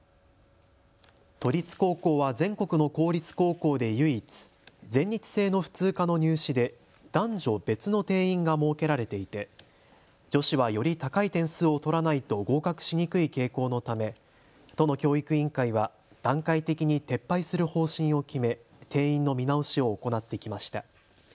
都立高校は全国の公立高校で唯一、全日制の普通科の入試で男女別の定員が設けられていて女子はより高い点数を取らないと合格しにくい傾向のため都の教育委員会は段階的に撤廃する方針を決め定員の見直しを行ってきました。